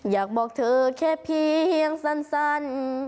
อยากบอกเธอแค่เพียงสั้น